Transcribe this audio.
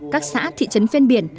các xã thị trấn ven biển